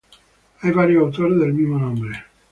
Hay varios autores del mismo nombre.